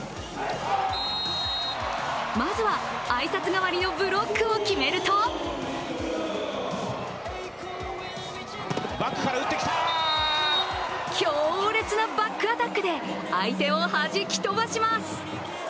まずは挨拶代わりのブロックを決めると強烈なバックアタックで相手をはじき飛ばします。